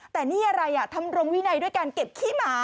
แต่นี่อะไรทำรงวินัยด้วยการเก็บขี้หมา